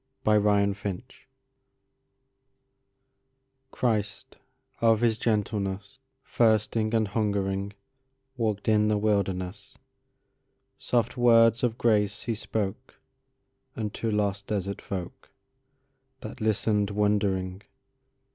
In the Wilderness CHRIST of His gentlenessThirsting and hungering, Walked in the wilderness; Soft words of grace He spokeUnto lost desert folkThat listened wondering.